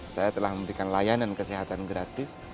saya telah memberikan layanan kesehatan gratis